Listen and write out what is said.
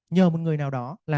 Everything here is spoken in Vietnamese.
nhờ một người nào đó làm